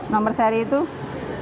nomor seri itu diyakinkan harus berubah